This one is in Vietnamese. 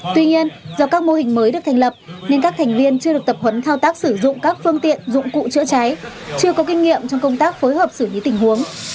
tuy nhiên do các mô hình mới được thành lập nên các thành viên chưa được tập huấn thao tác sử dụng các phương tiện dụng cụ chữa cháy chưa có kinh nghiệm trong công tác phối hợp xử lý tình huống